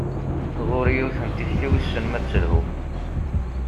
Ɣur-i yiwet n tikti, wissen ma ad telhu.